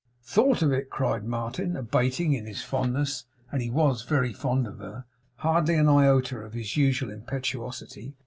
'Thought of it!' cried Martin, abating, in his fondness and he WAS very fond of her hardly an iota of his usual impetuosity.